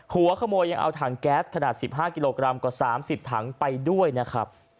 หัวขโมยยังเอาถังแก๊สขนาด๑๕กิโลกรัมกว่า๓๐ถังไปด้วยนะครับ